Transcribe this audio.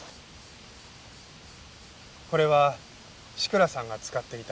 これは志倉さんが使っていた修正ペンです。